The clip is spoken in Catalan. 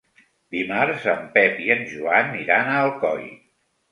Dimarts en Pep i en Joan iran a Alcoi.